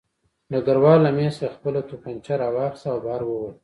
ډګروال له مېز څخه خپله توپانچه راواخیسته او بهر ووت